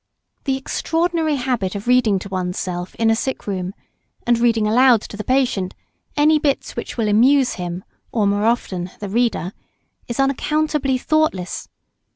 The extraordinary habit of reading to oneself in a sick room, and reading aloud to the patient any bits which will amuse him or more often the reader, is unaccountably thoughtless.